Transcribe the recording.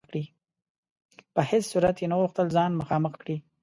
په هیڅ صورت یې نه غوښتل ځان مخامخ کړي.